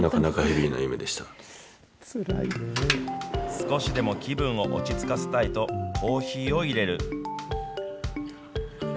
少しでも気分を落ち着かせたいと、コーヒーをいれる。